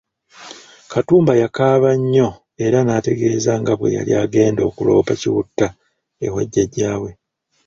Katumba yakaaba nnyo era n'ategeeza nga bwe yali agenda okuloopa Kiwutta ewa jajja we.